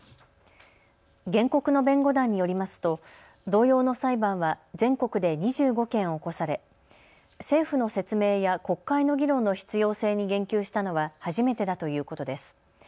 原告の弁護団によりますと同様の裁判は全国で２５件起こされ政府の説明や国会の議論の必要性に言及したのは初めてだということです。